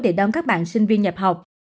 để đón các bạn sinh viên nhập học